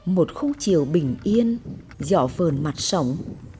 một khu chiều bình yên giọt vờn mặt sống